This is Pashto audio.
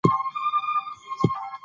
خزانه د هغه په خپله سیمه کې وه.